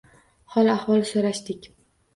Hol-ahvol so’rashdik.